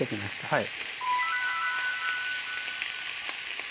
はい。